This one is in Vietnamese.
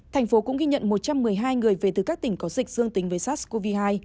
thành phố cũng ghi nhận một trăm một mươi hai người về từ các tỉnh có dịch dương tính với sars cov hai